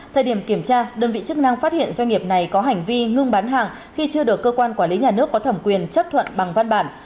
thời điểm kiểm tra đơn vị chức năng phát hiện doanh nghiệp này có hành vi ngưng bán hàng khi chưa được cơ quan quản lý nhà nước có thẩm quyền chấp thuận bằng văn bản